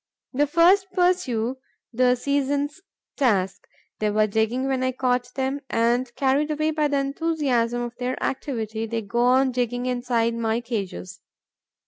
The first pursue the season's task. They were digging when I caught them; and, carried away by the enthusiasm of their activity, they go on digging inside my cages.